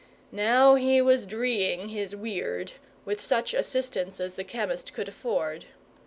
Now he was dreeing his weird, with such assistance as the chemist could afford.